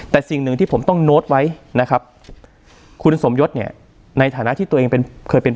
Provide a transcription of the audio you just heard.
แต่สิ่งหนึ่งที่ผมต้องโน้ตไว้นะครับคุณสมยศเนี่ยในฐานะที่ตัวเองเป็นเคยเป็น